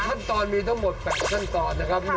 ขั้นตอนมีทั้งหมด๘ขั้นตอนนะครับ